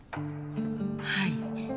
はい。